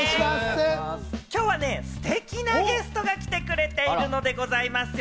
今日はね、ステキなゲストが来てくれているのでございますよ。